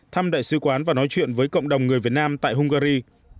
thăm đại sứ quán và nói chuyện với cộng đồng người việt nam tại hungary